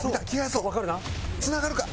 つながるか？